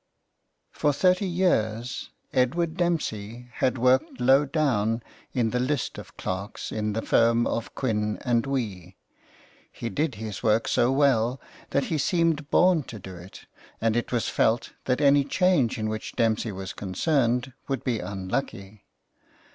For thirty years Edward Dempsey had worked low down in the list of clerks in the firm of Quin and Wee. He did his work so well that he seemed born to do it, and it was felt that any change in which Dempsey was concerned would be unlucky.